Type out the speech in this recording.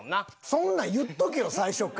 そんなん言っとけよ最初から！